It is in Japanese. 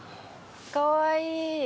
かわいい。